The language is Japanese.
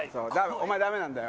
お前、だめなんだよ。